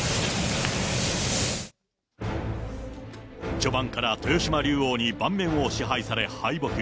序盤から豊島竜王に盤面を支配され、敗北。